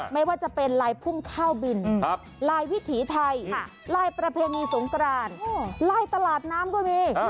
ไม่ว่าจะเป็นลายพุ่งข้าวบินลายวิถีไทยลายประเพณีสงกรานลายตลาดน้ำก็มี